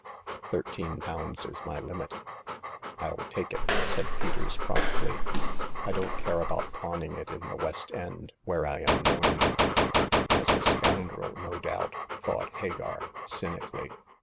Thirteen pounds is my limit." I'll take it," said Peters, promptly. I don't care about pawning it in the West end, where I am known." As a scoundrel, no doubt," thought Hagar, cynically.